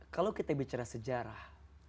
kalau kita bicara sejarah